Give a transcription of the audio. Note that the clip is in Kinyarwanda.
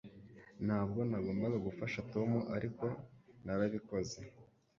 Ntabwo nagombaga gufasha Tom ariko narabikoze